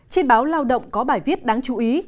trên báo lao động có bài viết đáng chú ý